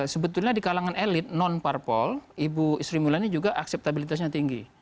sebetulnya di kalangan elit non parpol ibu sri mulyani juga akseptabilitasnya tinggi